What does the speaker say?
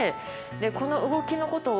この動きのことを。